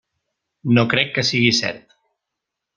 No crec que sigui cert.